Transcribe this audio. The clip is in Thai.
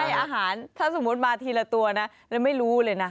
อาหารถ้าสมมุติมาทีละตัวนะแล้วไม่รู้เลยนะ